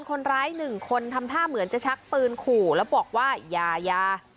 คนร้ายหนึ่งคนทำท่าเหมือนจะชักปืนขู่แล้วบอกว่าอย่ายา